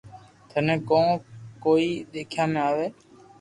ٿني ڪون ڪوئي ديکيا ۾ آوي